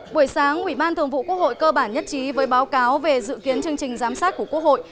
buổi sáng ubthqh cơ bản nhất trí với báo cáo về dự kiến chương trình giám sát của quốc hội